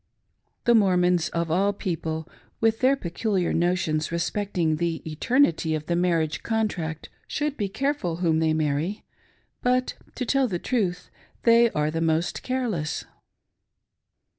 The Mormons, of all people, with their peculiar notions respecting the eternity of the marriage contract, should be J550. "sealed" xoAVA^^ husbands! careful whom they marry, But> to tell the truth, they are the most careless.